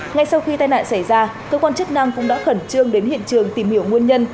ngay sau khi tai nạn xảy ra cơ quan chức năng cũng đã khẩn trương đến hiện trường tìm hiểu nguyên nhân